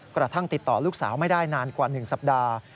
กระทั่งติดต่อลูกสาวไม่ได้นานกว่า๑สัปดาห์